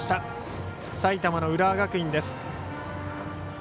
埼玉の浦和学院です。